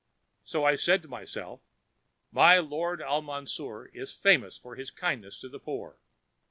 So I said to myself, 'My lord Al Mansour is famous for his kindness to the poor.